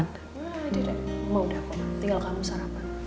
nggak udah mama udah apa apa tinggal kamu sarapan